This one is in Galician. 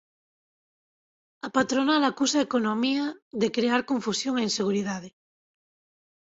A patronal acusa a Economía de crear confusión e inseguridade